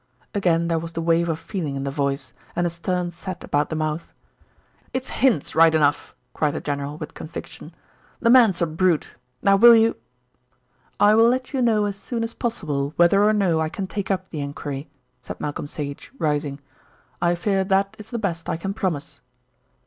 Again there was the wave of feeling in the voice, and a stern set about the mouth. "It's Hinds right enough," cried the general with conviction. "The man's a brute. Now will you ?" "I will let you know as soon as possible whether or no I can take up the enquiry," said Malcolm Sage, rising. "I fear that is the best I can promise."